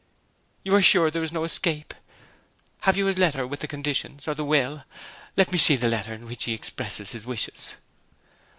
You are sure there is no escape? Have you his letter with the conditions, or the will? Let me see the letter in which he expresses his wishes.'